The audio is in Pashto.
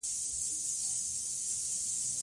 د لوړو زده کړو وزارت